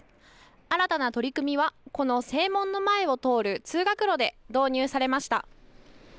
新たな取り組みはこの正門の前を通る通学路で導入されました。